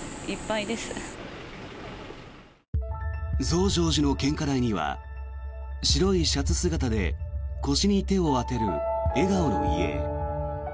増上寺の献花台には白いシャツ姿で腰に手を当てる笑顔の遺影。